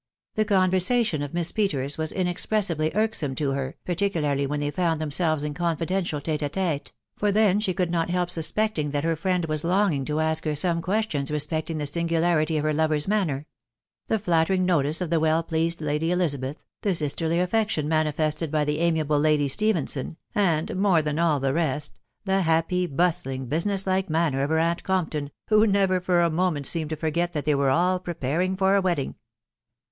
The conversation of Miss Peters was inexpressibly irksome to her, particularly when they found themselves in confidential t&e d ldte, for then she could not help suspecting that her friend waa long ing to ask her some questions respecting the singularity of her lover's manner .... the flattering notice of the well pleased Lady Elizabeth, the sisterly affection manifested by the amiable Lady Stephenson, and, more than all the rest, the happy, bustling, business like manner of her aunt Compton, who never for a moment seemed to forget that they were all preparing for a wedding.